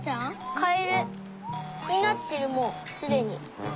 カエルになってるもうすでに。